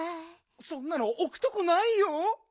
そんなのおくとこないよ。